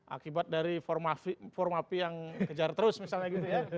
akibat dari formapi yang kejar terus misalnya gitu ya